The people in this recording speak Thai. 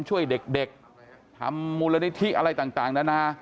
ช่วยเด็กทำมูลนิธิอะไรต่างนานา